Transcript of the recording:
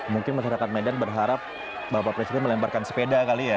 mungkin masyarakat medan berharap bapak presiden melemparkan sepeda kali ya